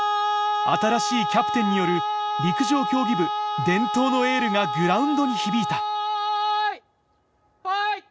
新しいキャプテンによる陸上競技部伝統のエールがグラウンドに響いたファイ！